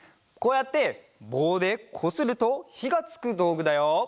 こうやってぼうでこするとひがつくどうぐだよ。